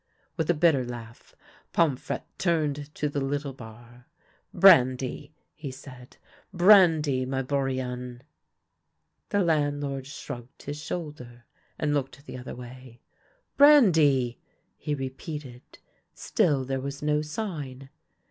With a bitter laugh, Pomfrette turned to the little bar. " Brandv !" he said ;" brandy, my Bourienne !" 112 THE LANE THAT HAD NO TURNING The landlord shrugged his shoulder, and looked the other way. " Brandy !" he repeated. Still there was no sign.